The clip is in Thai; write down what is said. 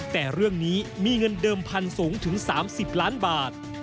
แต่เรื่องนี้มีเงินเดิมพันธุ์สูงถึง๓๐ล้านบาท